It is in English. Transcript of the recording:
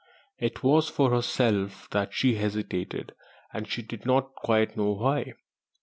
It was for herself that she hesitated; and she did not quite know why.